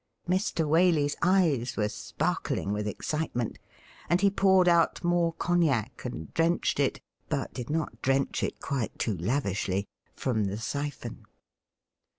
Mr. Waley's eyes were sparkling with excitement, and he poured out more cognac and di'enched it — ^but did not drench it quite too lavishly — from the syphon.